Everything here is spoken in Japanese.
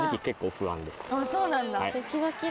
そうなんだ。